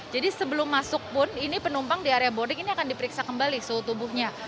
jadi sebelum masuk pun ini penumpang di area boarding ini akan diperiksa kembali suhu tubuhnya